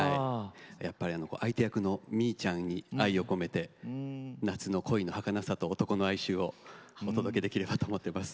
相手役の実衣ちゃんに愛を込めて夏の恋のはかなさと、男の哀愁をお届けできればと思います。